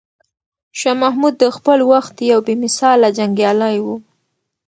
شاه محمود د خپل وخت یو بې مثاله جنګیالی و.